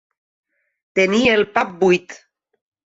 Tenir el pap buit.